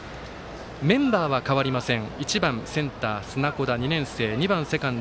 メンバーは変わりません。